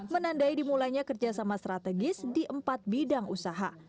menandai dimulainya kerjasama strategis di empat bidang usaha